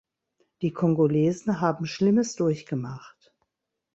Die Kongolesen haben Schlimmes durchgemacht.